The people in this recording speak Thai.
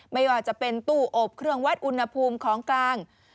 ไม่ว่าจะเป็นตู้อบเครื่องวัดอุณหภูมิของกลาง